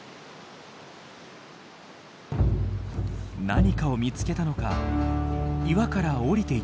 何かを見つけたのか岩から降りていきます。